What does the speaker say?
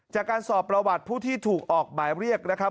จากการสอบประวัติผู้ที่ถูกออกหมายเรียกนะครับ